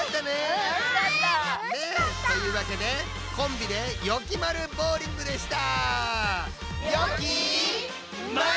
うんたのしかった！というわけで「コンビでよきまるボウリング！」でした！